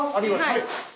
はい。